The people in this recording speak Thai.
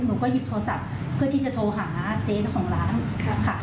หนูก็หยิบโทรศัพท์เพื่อที่จะโทรหาเจ๊เจ้าของร้านค่ะ